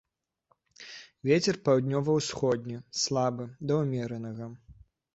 Вецер паўднёва-ўсходні слабы да ўмеранага.